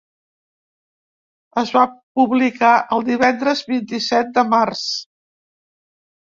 Es va publicar el divendres vint-i-set de març.